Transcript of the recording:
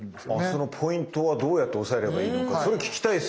そのポイントはどうやって抑えればいいのかそれ聞きたいですよね。